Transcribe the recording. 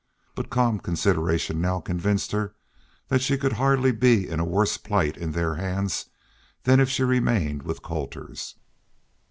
But calm consideration now convinced her that she could hardly be in a worse plight in their hands than if she remained in Colter's.